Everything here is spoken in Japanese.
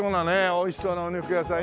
おいしそうなお肉屋さん。